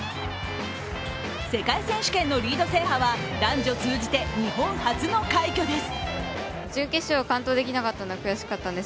世界選手権のリード制覇は男女通じて日本初の快挙です。